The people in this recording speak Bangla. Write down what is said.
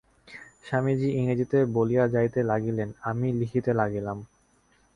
স্বামীজী ইংরেজীতে বলিয়া যাইতে লাগিলেন, আমি লিখিতে লাগিলাম।